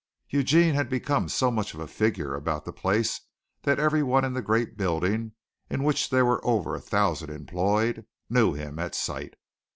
Eugene had become so much of a figure about the place that everyone in the great building, in which there were over a thousand employed, knew him at sight.